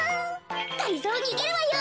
がりぞーにげるわよ。